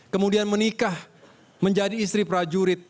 kemudian menikah menjadi istri prajurit